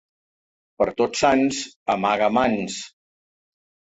Per Tots Sants, amaga mans.